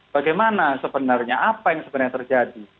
bagaimana sebenarnya apa yang sebenarnya terjadi